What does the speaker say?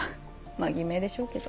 まぁ偽名でしょうけど。